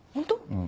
うん。